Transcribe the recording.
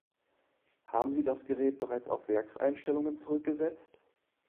Haben Sie das Gerät bereits auf Werkseinstellungen zurückgesetzt?